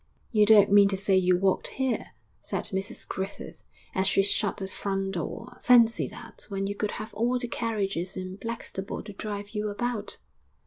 'You don't mean to say you walked here!' said Mrs Griffith, as she shut the front door. 'Fancy that, when you could have all the carriages in Blackstable to drive you about!'